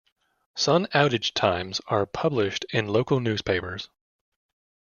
Sun outage times are published in local newspapers.